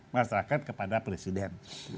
masyarakat kepada presiden